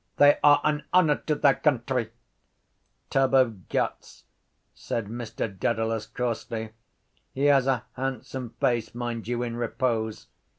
They are an honour to their country. —Tub of guts, said Mr Dedalus coarsely. He has a handsome face, mind you, in repose.